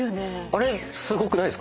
あれすごくないですか？